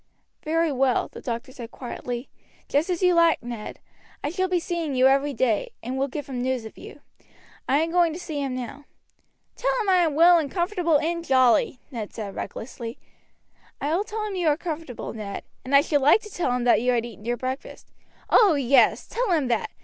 "Very well," the doctor said quietly, "just as you like, Ned. I shall be seeing you every day, and will give him news of you. I am going to see him now." "Tell him I am well and comfortable and jolly," Ned said recklessly. "I will tell him you are comfortable, Ned, and I should like to tell him that you had eaten your breakfast." "Oh, yes! Tell him that.